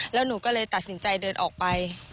แล้วหนูก็เลยตัดสินใจเดินออกไป